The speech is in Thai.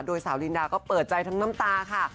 โดยสาวลินดาก็เปิดใจทั้งน้ำตาค่ะ